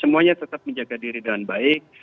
semuanya tetap menjaga diri dengan baik